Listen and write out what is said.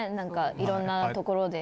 いろんなところで。